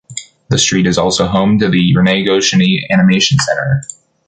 The street is also home to the René-Goscinny animation center.